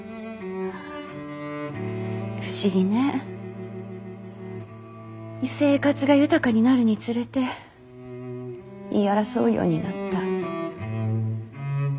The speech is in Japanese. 不思議ね生活が豊かになるにつれて言い争うようになった。